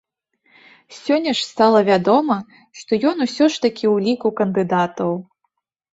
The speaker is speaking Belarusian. Сёння ж стала вядома, што ён усё ж такі ў ліку кандыдатаў.